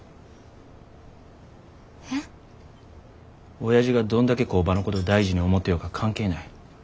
おやじがどんだけ工場のことを大事に思ってようが関係ない。